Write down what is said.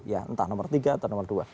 ya entah nomor tiga atau nomor dua